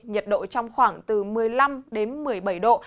nhiệt độ trong khoảng từ một mươi năm đến một mươi bảy độ